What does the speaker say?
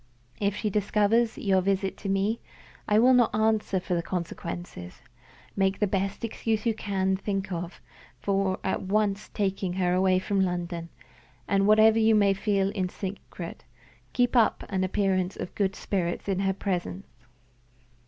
If she discovers your visit to me, I will not answer for the consequences. Make the best excuse you can think of for at once taking her away from London, and, whatever you may feel in secret, keep up an appearance of good spirits in her presence."